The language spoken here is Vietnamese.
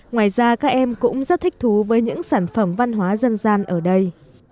ngoài ra các em cũng rất thích thú với những sản phẩm văn hóa dân gian ở đây